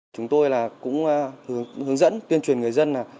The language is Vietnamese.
chúng tôi là cũng hướng dẫn tuyên truyền người dân